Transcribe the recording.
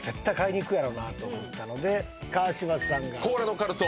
川島さんが。